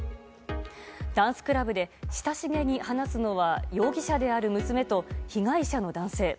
ダンスクラブで親しげに話すのは容疑者である娘と被害者の男性。